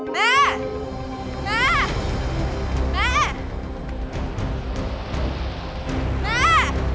แม่แม่แม่